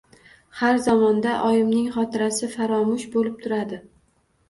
Har zamonda oyimning xotirasi faromush bo`lib turadi